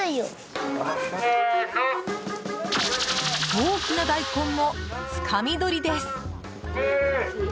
大きな大根のつかみ取りです。